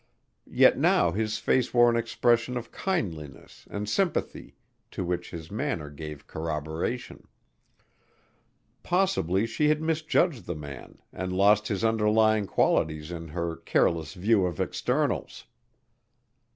Yet now his face wore an expression of kindliness and sympathy to which his manner gave corroboration. Possibly she had misjudged the man and lost his underlying qualities in her careless view of externals.